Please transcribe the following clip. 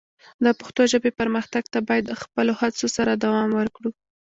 د پښتو ژبې پرمختګ ته باید د خپلو هڅو سره دوام ورکړو.